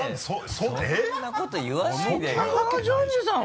そんなこと言わないでよ。